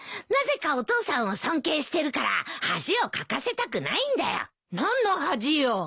なぜかお父さんを尊敬してるから恥をかかせたくないんだよ。何の恥よ？